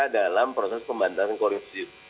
dalam proses pemberantasan korupsi